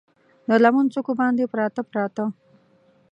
د لمن څوکو باندې، پراته، پراته